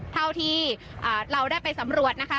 เท่าที่เราได้ไปสำรวจนะคะ